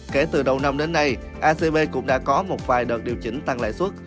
kể từ đầu năm đến nay acv cũng đã có một vài đợt điều chỉnh tăng lãi suất